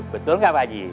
betul gak pak haji